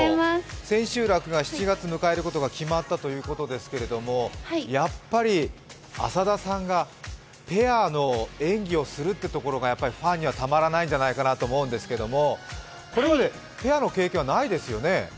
千秋楽が７月に迎えることが決まったということですがやっぱり浅田さんがペアの演技をするというところがファンにはたまらないんじゃないかなと思うんですけど、これまでペアの経験はないですよね。